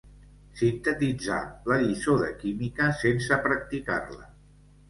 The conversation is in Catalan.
Sintetitzà la lliçó de química sense practicar-la.